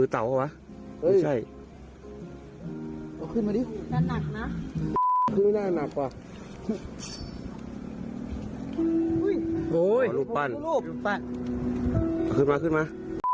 โหลูบปั้นขึ้นมาขึ้นมา